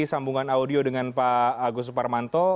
sambungan audio dengan pak agus suparmanto